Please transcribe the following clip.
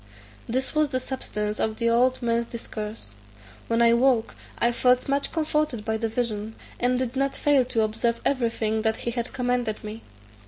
This was the substance of the old man's discourse. When I awoke I felt much comforted by the vision, and did not fail to observe everything that he had commanded me.